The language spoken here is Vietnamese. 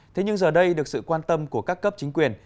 thế nhưng giờ đây được sự quan tâm của các cấp chính quyền